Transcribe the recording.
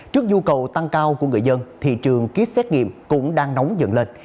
trước dù cầu tăng cao của người dân thị trường ký xét nghiệm cũng đang nóng dần lên